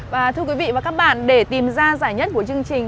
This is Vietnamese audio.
và thưa quý vị và các bạn để tìm ra giải nhất của chương trình